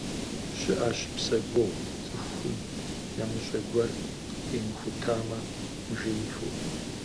Щыӏэщ псэ гугъу, цӏыхум ямыщӏэ гуэр къимыхутамэ, мыжеифу.